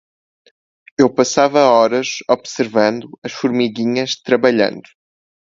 Eu passava horas observando as formiguinhas trabalhando.